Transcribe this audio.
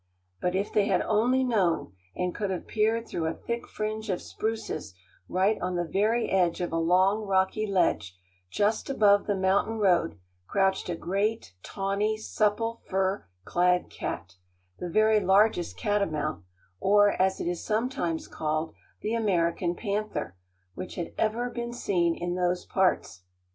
But if they had only known, and could have peered through a thick fringe of spruces, right on the very edge of a long, rocky ledge, just above the mountain road, crouched a great, tawny, supple, fur clad cat; the very largest catamount, or, as it is sometimes called, the American panther, which had ever been seen in those parts.